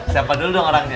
siapa dulu dong orangnya